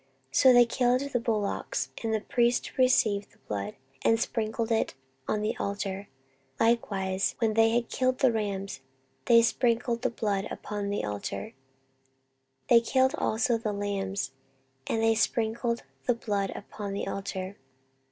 14:029:022 So they killed the bullocks, and the priests received the blood, and sprinkled it on the altar: likewise, when they had killed the rams, they sprinkled the blood upon the altar: they killed also the lambs, and they sprinkled the blood upon the altar.